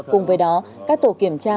cùng với đó các tổ kiểm tra